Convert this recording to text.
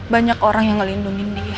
banyak orang yang ngelindungi dia